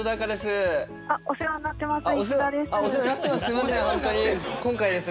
お世話になってます